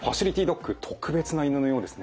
ドッグ特別な犬のようですね。